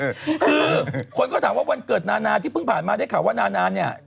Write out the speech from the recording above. คือคนก็ถามว่าวันเกิดนานาที่เพิ่งผ่านมาได้ข่าวว่านานาเนี่ย